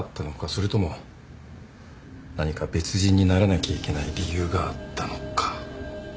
それとも何か別人にならなきゃいけない理由があったのか。